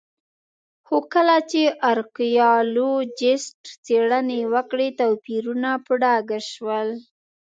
خو کله چې ارکيالوجېسټ څېړنې وکړې توپیرونه په ډاګه شول